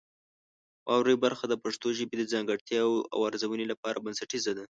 واورئ برخه د پښتو ژبې د ځانګړتیاوو د ارزونې لپاره بنسټیزه ده.